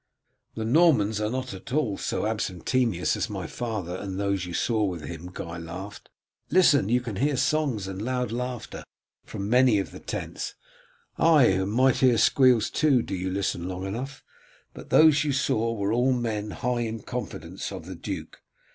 "The Normans are not all so abstemious as my father and those you saw with him," Guy laughed. "Listen. You can hear songs and loud laughter from many of the tents, ay, and might hear quarrels too did you listen long enough. But those you saw were all men high in the confidence of the duke.